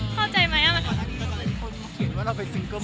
เข้าใจไหมอะ